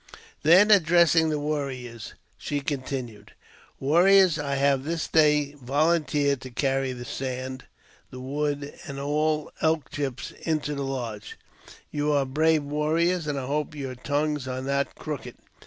Then addressing the warriors, she continued :" Warriors ! I have this day volunteered to carry the san< the wood, and the elk chips into the lodge. You are brave warriors, and I hope your tongues are not crooked.